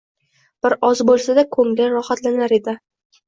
bir oz bo'lsada ko'ngli rohatlanar edi.